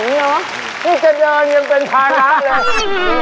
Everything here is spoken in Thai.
มีเจ็บเยินยังเป็นพางัก